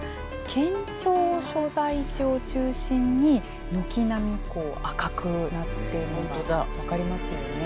県庁所在地を中心に軒並み赤くなっているのが分かりますよね。